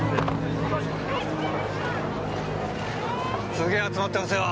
すげえ集まってますよ。